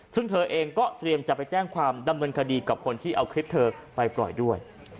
ซึ่งเธอเองก็เตรียมจะไปแจ้งความดำเนินคดีกับคนที่เอาคลิปเธอไปปล่อยด้วย